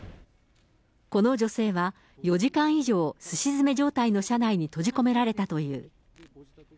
この女性は４時間以上、すし詰め状態の車内に閉じ込められたという。